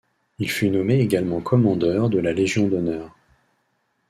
Il fut nommé également commandeur de la Légion d'honneur.